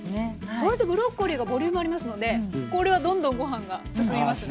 そしてブロッコリーがボリュームありますのでこれはどんどんご飯が進みますね。